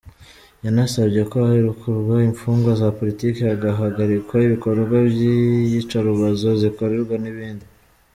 Yanasabye ko harukurwa imfungwa za politiki, hagahagarikwa ibikorwa by’iyicarubozo zikorerwa n’ibindi.